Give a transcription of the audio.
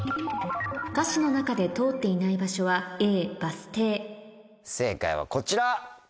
歌詞の中で通っていない場所はＡ「バスてい」正解はこちら！